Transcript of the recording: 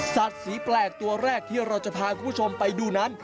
สีแปลกตัวแรกที่เราจะพาคุณผู้ชมไปดูนั้น